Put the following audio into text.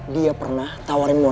di sana ada beberapa jelek di sini juga